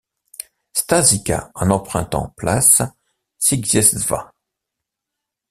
Staszica en empruntant pl.Zwycięstwa.